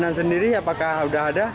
penanganan sendiri apakah sudah ada